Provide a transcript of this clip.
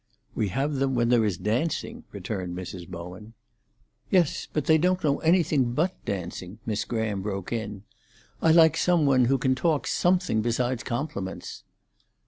"We have them when there is dancing," returned Mrs. Bowen. "Yes, but they don't know anything but dancing," Miss Graham broke in. "I like some one who can talk something besides compliments."